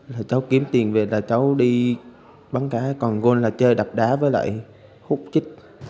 là cháu kiếm tiền về là cháu đi bắn cá còn là chơi đập đá với lại hút chích